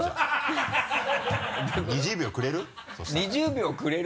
２０秒くれる？